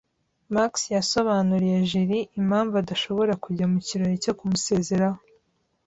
Max yasobanuriye Julie impamvu adashobora kujya mu kirori cyo kumusezeraho.